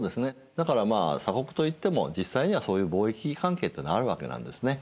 だからまあ鎖国といっても実際にはそういう貿易関係っていうのはあるわけなんですね。